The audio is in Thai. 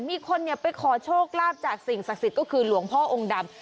มีคนไปขอโชคลาภจากสิ่งศักดิ์สิทธิ์ก็คือหลวงพ่อองค์ดำ